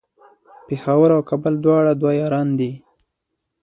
پیښور او کابل دواړه دوه یاران دی